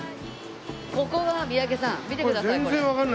ここは三宅さん見てくださいこれ。